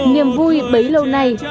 niềm vui bấy lâu nay